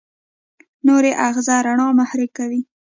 نوري آخذه رڼا محرک کوي.